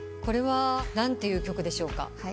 これは何ていう曲でしょうか？